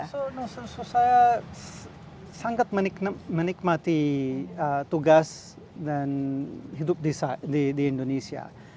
saya sangat menikmati tugas dan hidup di indonesia